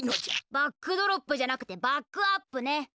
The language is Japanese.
バックドロップじゃなくてバックアップね。